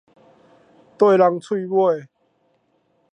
綴人喙尾